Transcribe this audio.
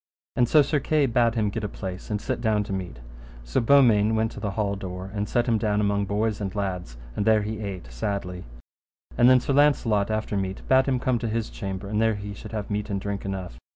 And so Sir Kay bade get him a place, and sit down to meat; so Beaumains went to the hall door, and set him down among boys and lads, and there he ate sadly. And then Sir Launcelot after meat bade him come to his chamber, and there he should have meat and drink enough.